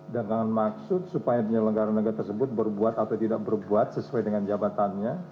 dagangan maksud supaya penyelenggara negara tersebut berbuat atau tidak berbuat sesuai dengan jabatannya